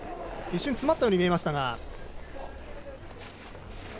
一瞬詰まったように見えましたが。